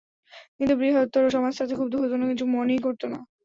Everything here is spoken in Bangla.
কিন্তু বৃহত্তর সমাজ তাতে ক্ষুব্ধ হত না, কিছু মনেই করত না।